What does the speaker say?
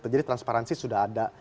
jadi transparansi sudah ada